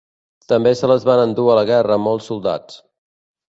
També se les van endur a la guerra molts soldats.